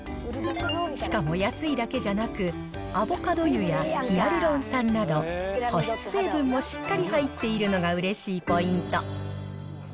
しかも安いだけじゃなく、アボカド油やヒアルロン酸など、保湿成分もしっかり入っているのがうれしいポイント。